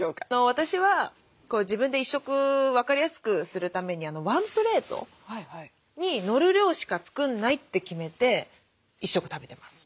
私は自分で１食分かりやすくするためにワンプレートにのる量しか作んないって決めて１食食べてます。